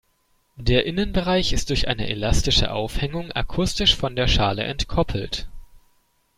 Der Innenbereich ist durch eine elastische Aufhängung akustisch von der Schale entkoppelt.